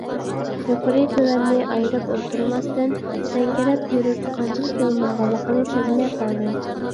يۇقىرى - تۆۋەننى ئايرىپ ئولتۇرماستىن، سەڭگىرەپ يۈرۈپ، قانچىلىك يول ماڭغانلىقىنى سەزمەي قالدى.